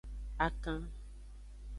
Akan.